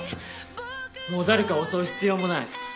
もう誰かを襲う必要もない。